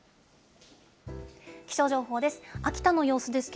気象情報です。